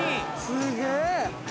すげえ！